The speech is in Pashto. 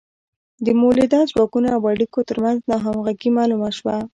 د مؤلده ځواکونو او اړیکو ترمنځ ناهمغږي معلومه شوه.